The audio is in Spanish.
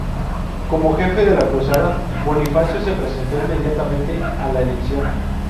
Como jefe de la cruzada, Bonifacio se presentó inmediatamente a la elección.